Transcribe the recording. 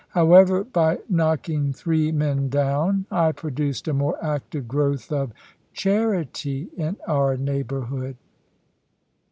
However, by knocking three men down, I produced a more active growth of charity in our neighbourhood.